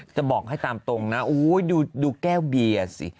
จะบอกให้ตามตรงนะอู๊ยดูแก้วบีอ่ะสิ